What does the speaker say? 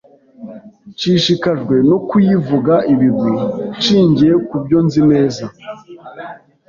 nshishikajwe no kuyivuga ibigwi nshingiye ku byo nzi neza